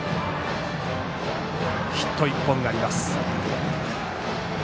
ヒット１本があります。